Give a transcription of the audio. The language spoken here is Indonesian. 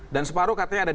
dan separuh katanya ada di s